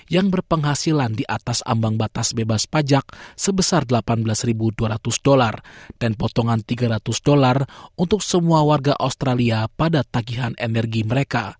yang berpenghasilan di atas ambang batas bebas pajak sebesar delapan belas dua ratus dolar dan potongan tiga ratus dolar untuk semua warga australia pada tagihan energi mereka